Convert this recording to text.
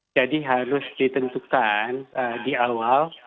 jadi harus ditentukan di awal